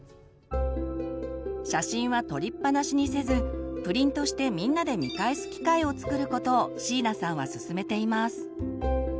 写真は撮りっぱなしにせずプリントしてみんなで見返す機会をつくることを椎名さんはすすめています。